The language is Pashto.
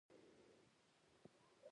رساله تجهیز او تکفین هم ورسره چاپ ده.